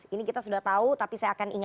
ini kita sudah tahu tapi saya akan